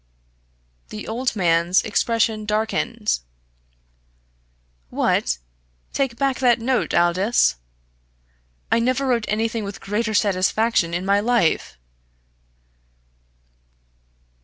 The old man's expression darkened. "What, take back that note, Aldous! I never wrote anything with greater satisfaction in my life!"